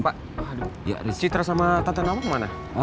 pak citra sama tante nawang kemana